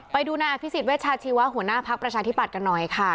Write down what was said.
ไปดูนายอภิษฎเวชาชีวะหัวหน้าภักดิ์ประชาธิบัตย์กันหน่อยค่ะ